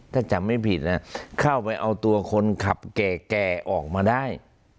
ถ้าจำไม่ผิดเข้าไปเอาตัวคนขับแก่ออกมาได้